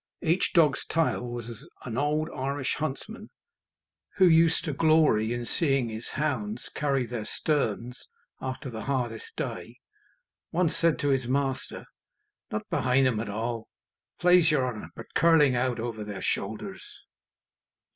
Each dog's tail was as an old Irish huntsman, who used to glory in seeing his hounds carry their sterns after the hardest day, once said to his master, "not behind them at all, plaize your honour, but curling out over their shoulders."